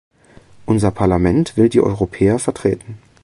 Unser Parlament will die Europäer vertreten.